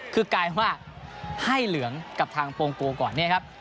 คือกลายว่าให้เหลืองกับทางโฟลองซิราปวงโกก่อน